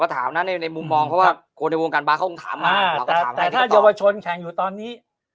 ถามนะในมุมมองเพราะว่าคนในวงการบาร์เขาคงถามมากแต่ถ้าเยาวชนแข่งอยู่ตอนนี้